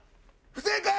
不正解！